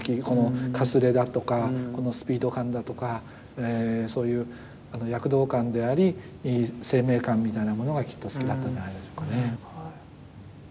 このかすれだとかこのスピード感だとかそういう躍動感であり生命感みたいなものがきっと好きだったんじゃないでしょうかね。